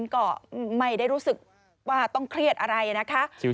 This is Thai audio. ก็ไม่ได้รู้สึกว่าต้องเครียดอะไรนะคะ